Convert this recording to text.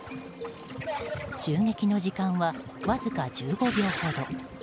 襲撃の時間はわずか１５秒ほど。